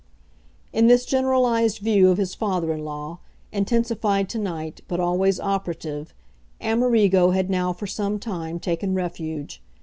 In this generalised view of his father in law, intensified to night but always operative, Amerigo had now for some time taken refuge.